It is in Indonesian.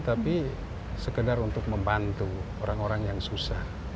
tapi sekedar untuk membantu orang orang yang susah